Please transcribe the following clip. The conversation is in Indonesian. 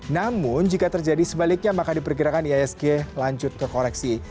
namun jika terjadi sebaliknya maka diperkirakan iasg lanjut ke koreksi